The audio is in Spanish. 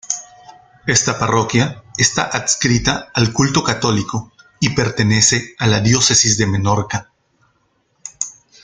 Esta parroquia está adscrita al culto católico y pertenece a la Diócesis de Menorca.